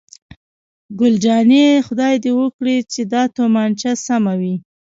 ګل جانې: خدای دې وکړي چې دا تومانچه سمه وي.